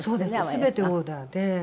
全てオーダーで。